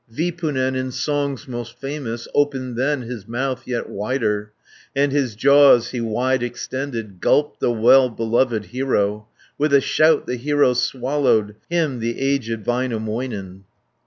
Vipunen, in songs most famous, Opened then his mouth yet wider, 100 And his jaws he wide extended, Gulped the well beloved hero, With a shout the hero swallowed, Him the aged Väinämöinen.